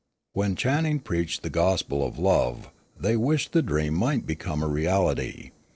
When Channing preached the gospel of love, they wished the dream might become a reality.